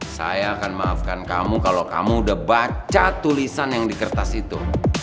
saya akan maafkan kamu kalau kamu udah baca tulisan yang di kertas itu